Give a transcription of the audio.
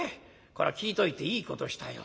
こら聞いといていいことしたよ。